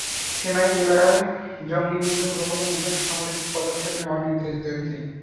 Sinai এলাকায় জঙ্গি হুমকি মোকাবিলায় নতুন সামরিক পদক্ষেপ নেওয়ার নির্দেশ দেন তিনি।